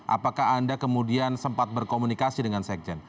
apakah anda kemudian sempat berkomunikasi dengan sekjen